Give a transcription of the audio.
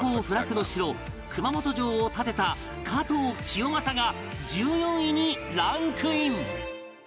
熊本城を建てた加藤清正が１４位にランクイン